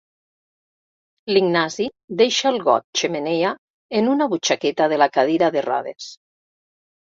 L'Ignasi deixa el got xemeneia en una butxaqueta de la cadira de rodes.